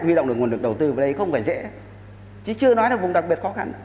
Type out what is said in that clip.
huy động được nguồn lực đầu tư vào đây không phải dễ chứ chưa nói là vùng đặc biệt khó khăn